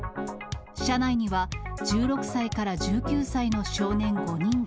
車内には、１６歳から１９歳の少年５人が。